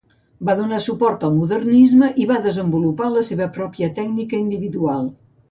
Va donar suport al modernisme i va desenvolupar la seva pròpia tècnica individual.